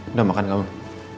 udah makan gak mau